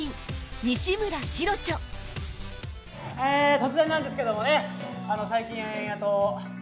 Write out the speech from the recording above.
突然なんですけどもね最近えっと。